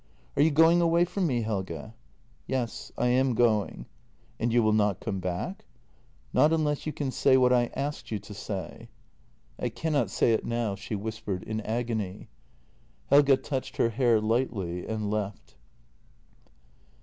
"Are you going away from me, Helge?" " Yes. I am going." " And you will not come back? "" Not unless you can say what I asked you to say." JENNY 167 " I cannot say it now," she whispered in agony. Helge touched her hair lightly, and left.